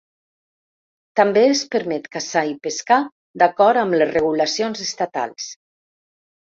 També es permet caçar i pescar d'acord amb les regulacions estatals.